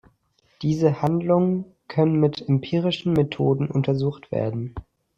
Diese Handlungen können mit empirischen Methoden untersucht werden.